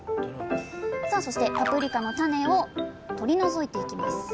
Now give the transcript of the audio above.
さあそしてパプリカの種を取り除いていきます。